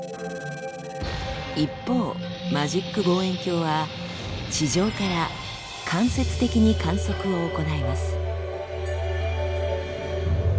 一方マジック望遠鏡は地上から間接的に観測を行います。